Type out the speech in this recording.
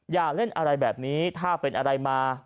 อย่าเล่นอะไรแบบนี้ถ้าเป็นอะไรมา